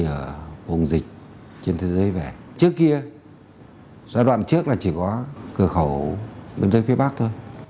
người xã hội ở vùng dịch trên thế giới về trước kia giai đoạn trước là chỉ có cửa khẩu bên dưới phía bắc thôi